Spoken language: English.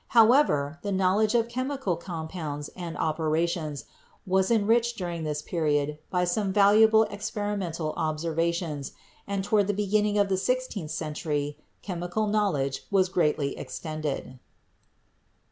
However, the knowledge of chemical compounds and operations was enriched during this period by some valuable experimental observations, and toward the beginning of the sixteenth century chemi cal knowledge was greatly extended.